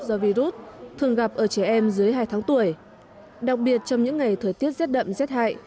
do virus thường gặp ở trẻ em dưới hai tháng tuổi đặc biệt trong những ngày thời tiết rét đậm rét hại